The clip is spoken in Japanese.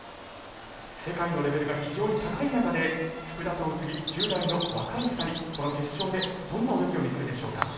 世界のレベルが非常に高い中で福田と宇津木１０代の若い２人この決勝でどんな泳ぎを見せるでしょうか。